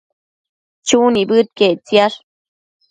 Chu nibëdquiec ictisash